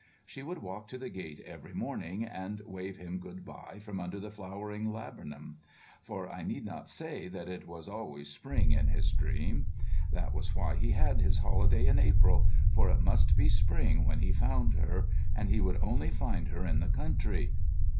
She would walk to the gate every morning, and wave him good bye from under the flowering laburnum—for I need not say that it was always spring in his dream. That was why he had his holiday in April, for it must be spring when he found her, and he would only find her in the country....